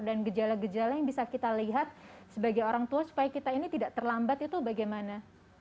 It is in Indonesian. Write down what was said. dan gejala gejala yang bisa kita lihat sebagai orang tua supaya kita ini tidak terlambat itu bagaimana